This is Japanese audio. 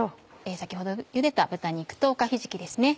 先ほどゆでた豚肉とおかひじきですね。